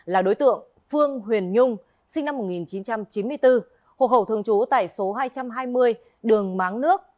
là đối tượng phương huyền nhung sinh năm một nghìn chín trăm chín mươi bốn hộ khẩu thường trú tại số hai trăm hai mươi đường máng nước